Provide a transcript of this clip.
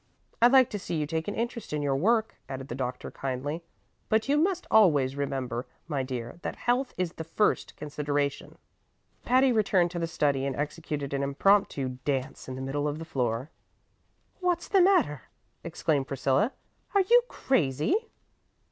"I like to see you take an interest in your work," added the doctor, kindly; "but you must always remember, my dear, that health is the first consideration." Patty returned to the study and executed an impromptu dance in the middle of the floor. "What's the matter?" exclaimed Priscilla. "Are you crazy?"